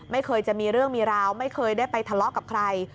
ไม่เคยจะมีเรื่องมีราวไม่เคยได้ไปทะเลาะกับใคร